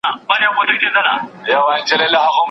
هغه د څېړني لپاره مناسب ماخذونه پیدا نه کړل.